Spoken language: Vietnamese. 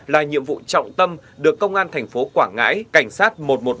là nhiệm vụ trọng tâm được công an thành phố quảng ngãi cảnh sát một trăm một mươi ba